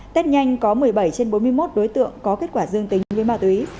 tết nhanh có một mươi bảy trên bốn mươi một đối tượng có kết quả dương tính với ma túy